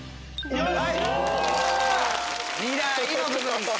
よし！